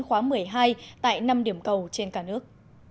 khóa một mươi hai tại năm điểm cầu trên cả nước